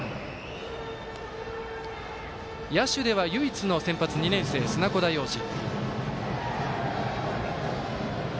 野手では唯一の先発２年生砂子田陽士。